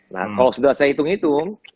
nah kalau sudah saya hitung hitung